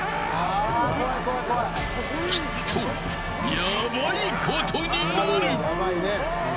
きっと、やばいことになる。